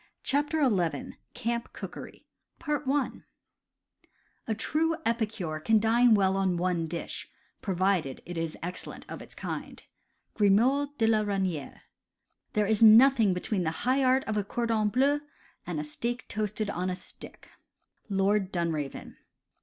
CHAPTER XI CAMP COOKERY "A true epicure can dine well on one dish, provided it is excellent of its kind." — Grimod de la Reyniere. "There is nothing between the high art of a cordon bleu and a steak toasted on a stick." — Lord Dunraven.